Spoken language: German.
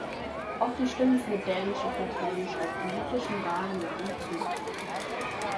Auch die Stimmen für dänische Parteien bei politischen Wahlen nahmen zu.